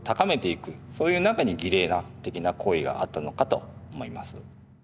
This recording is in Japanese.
そういう中に儀礼的な行為があったのかと思います。